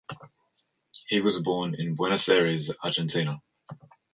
He was born in Buenos Aires, Argentina.